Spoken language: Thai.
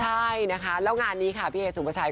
ใช่นะคะแล้วงานนี้ค่ะพี่เอสุภาชัย